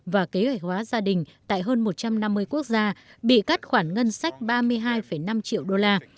và kế hoạch hóa gia đình tại hơn một trăm năm mươi quốc gia bị cắt khoản ngân sách ba mươi hai năm triệu đô la